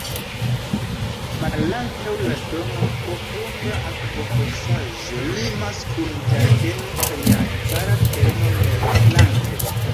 Malantaŭ la domo, profunda akvofosaĵo limas kun ĝardeno kaj najbara tereno nordflanke.